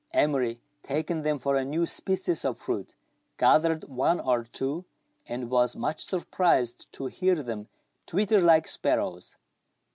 Emery, taking them for a new species of fruit, gathered one or two, and was much surprised to hear them twitter like sparrows.